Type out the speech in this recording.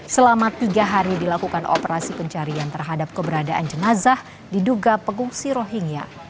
selama tiga hari dilakukan operasi pencarian terhadap keberadaan jenazah diduga pengungsi rohingya